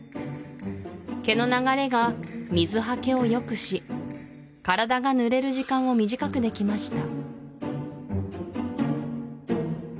毛の流れが水はけを良くし体が濡れる時間を短くできました